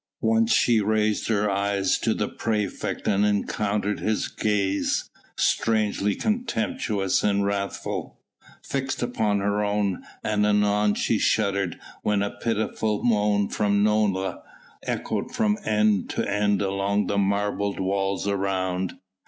Once she raised her eyes to the praefect and encountered his gaze strangely contemptuous and wrathful fixed upon her own, and anon she shuddered when a pitiable moan from Nola echoed from end to end along the marble walls around.